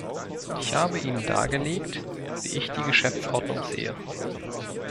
Ich habe Ihnen dargelegt, wie ich die Geschäftsordnung sehe.